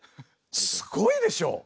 すごいでしょ？